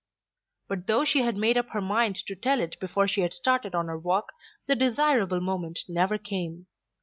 But though she had made up her mind to tell it before she had started on her walk, the desirable moment never came.